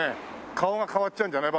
顔が変わっちゃうんじゃない？